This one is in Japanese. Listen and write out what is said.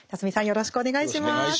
さんよろしくお願いします。